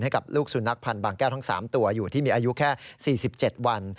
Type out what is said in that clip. ให้กับลูกสุนัขพันธ์บางแก้วทั้ง๓ตัวอยู่ที่มีอายุแค่๔๗วัน